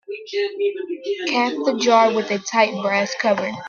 Cap the jar with a tight brass cover.